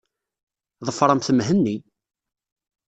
Ḍefṛemt Mhenni!